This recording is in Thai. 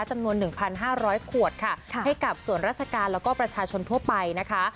จำนวน๑๕๐๐ขวดค่ะให้กับส่วนราชการแล้วก็ประชาชนทั่วไปนะคะ